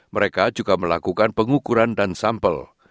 mereka juga melakukan pengukuran dan sampel